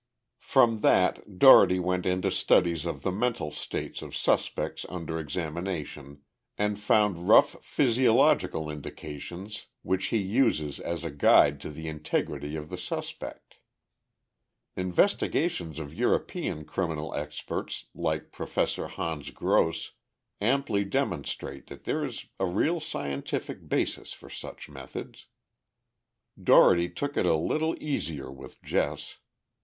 From that, Dougherty went into studies of the mental states of suspects under examination, and found rough physiological indications which he uses as a guide to the integrity of the suspect. Investigations of European criminal experts like Professor Hans Gross amply demonstrate that there is a real scientific basis for such methods. Dougherty took it a little easier with Jess.